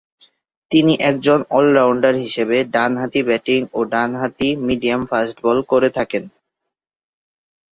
তিনি একজন অল-রাউন্ডার হিসেবে ডানহাতি ব্যাটিং এবং ডানহাতি মিডিয়াম ফাস্ট বল করে থাকেন।